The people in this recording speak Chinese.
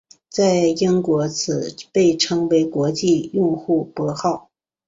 在英国此被称为国际用户拨号。